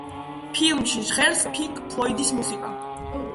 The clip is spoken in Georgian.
ფილმში ჟღერს პინკ ფლოიდის მუსიკა.